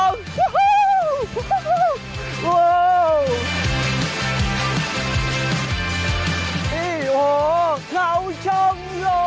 นี่โอ้โฮเขาชมลง